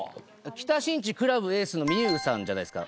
北新地ＣｌｕｂＡのみゆうさんじゃないですか？